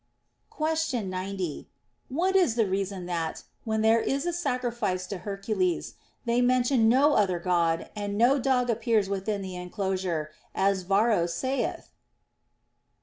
Question 90. What is the reason that, when there is a sacrifice to Hercules, they mention no other God and no dog appears within the enclosure, as Varro saith?